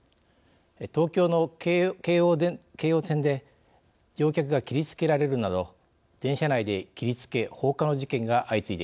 東京の京王線で乗客が切りつけられるなど電車内で切りつけ・放火の事件が相次いでいます。